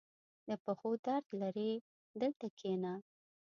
• د پښو درد لرې؟ دلته کښېنه.